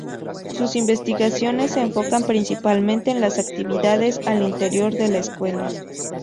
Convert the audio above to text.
Sus investigaciones se enfocan principalmente en las actividades al interior de la escuela.